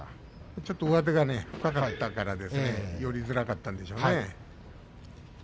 ちょっと上手が深かったから寄りづらかったんでしょうね。